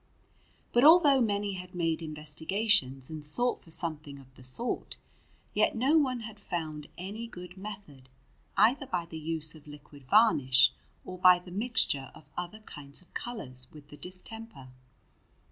But although many had made investigations and sought for something of the sort, yet no one had found any good method, either by the use of liquid varnish or by the mixture of other kinds of colours with the distemper.